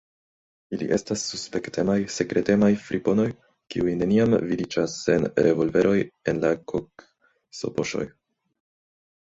Ili estas suspektemaj, sekretemaj friponoj, kiuj neniam vidiĝas sen revolveroj en la koksopoŝoj.